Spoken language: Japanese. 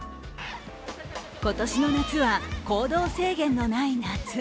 今年の夏は行動制限のない夏。